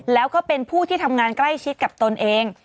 แล้วก็เป็นผู้ที่ทำงานใกล้ชิดกับตนเอง